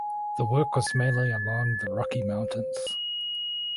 The work was mainly along the Rocky Mountains.